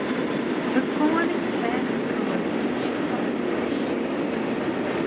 De koaning seach troch it rútsje fan de koets.